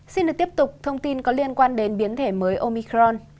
xin được tiếp tục thông tin có liên quan đến biến thể mới omicron